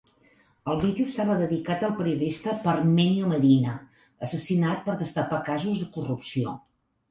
El vídeo estava dedicat al periodista Parmenio Medina, assassinat per destapar casos de corrupció.